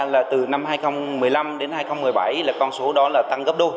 là từ năm hai nghìn một mươi năm đến hai nghìn một mươi bảy là con số đó là tăng gấp đô